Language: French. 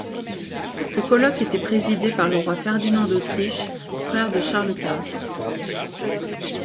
Ce colloque était présidé par le roi Ferdinand d'Autriche, frère de Charles Quint.